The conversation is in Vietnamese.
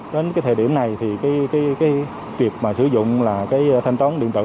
đến cái thời điểm này thì cái việc mà sử dụng là cái thanh toán điện tử